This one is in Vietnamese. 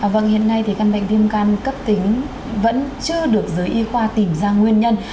vâng hiện nay thì căn bệnh viêm gan cấp tính vẫn chưa được giới y khoa tìm ra nguyên nhân